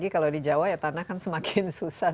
kalau di jawa ya tanah kan semakin susah